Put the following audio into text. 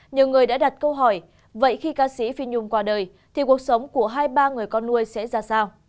nhiều người đã đặt câu hỏi vậy khi ca sĩ phi nhung qua đời thì cuộc sống của hai ba người con nuôi sẽ ra sao